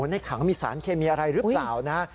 ในถังมีสารเคมีอะไรหรือเปล่านะ